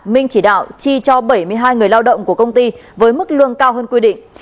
minh chỉ đạo chi cho bảy mươi hai người lao động của công ty với mức lương cao hơn quy định